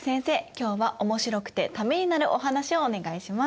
今日はおもしろくてためになるお話をお願いします。